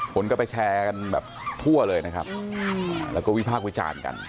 คนก็ไปแชร์กันแบบทั่วเลยนะครับแล้วก็วิพากษ์วิจารณ์กัน